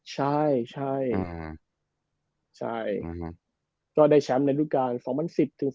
ใช่ใช่ใช่ก็ได้แชมป์ในรูปการณ์๒๐๑๐๒๐๑๑๒๐๑๑๒๐๑๒